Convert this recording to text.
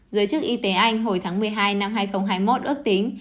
giới chức y tế anh hồi tháng một mươi hai năm hai nghìn hai mươi một ước tính